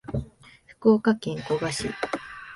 福岡県古賀市